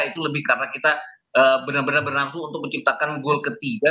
itu lebih karena kita benar benar berlangsung untuk menciptakan gol ketiga